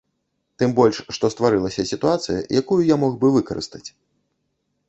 Тым больш што стварылася сітуацыя, якую я мог бы выкарыстаць.